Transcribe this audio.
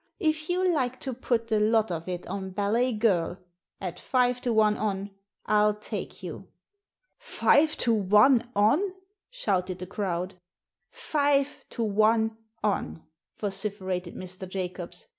If you like to put the lot of it on Ballet Girl, at five to one on, I'll take you." " Five to one on ?" shouted the crowd. " Five to one on !" vociferated Mr. Jacobs.